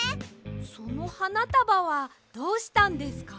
そのはなたばはどうしたんですか？